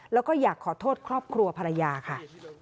แล้วก็อยากขอโทษครอบครัวภรรยาค่ะ